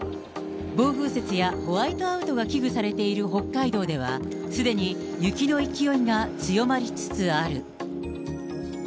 暴風雪やホワイトアウトが危惧されている北海道では、すでに雪の勢いが強まりつつある。